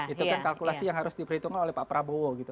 itu kan kalkulasi yang harus diperhitungkan oleh pak prabowo gitu